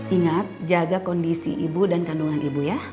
ingat jaga kondisi ibu dan kandungan ibu ya